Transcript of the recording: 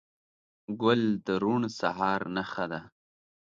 ګل د روڼ سهار نښه ده.